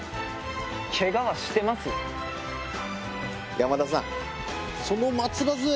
山田さん。